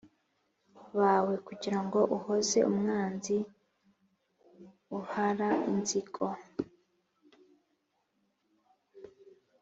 Bawe kugira ngo uhoze umwanzi n uh ra inzigo